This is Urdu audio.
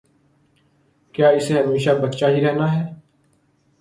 کیا اسے ہمیشہ بچہ ہی رہنا ہے؟